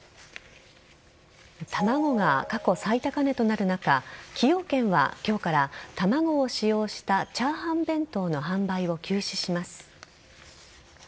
卵が過去最高値となる中崎陽軒は今日から卵を使用した炒飯弁当の販売を休止します。